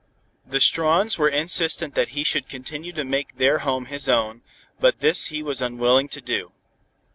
The Strawns were insistent that he should continue to make their home his own, but this he was unwilling to do.